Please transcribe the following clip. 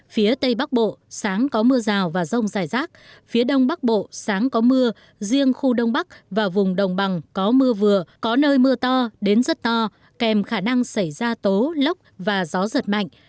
phía tây bắc bộ sáng có mưa rào và rông dài rác phía đông bắc bộ sáng có mưa riêng khu đông bắc và vùng đồng bằng có mưa vừa có nơi mưa to đến rất to kèm khả năng xảy ra tố lốc và gió giật mạnh